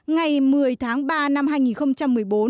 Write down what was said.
ngày một mươi tháng ba năm hai nghìn một mươi bốn